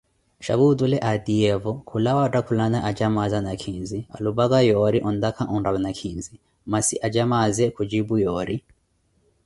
Xaapu otule atiiyevu khulawa ottakhulana acamaaze nakhinzi, khulupa yoori ontakha onrala nakhinzi, masi apapazawe khucipu yoori.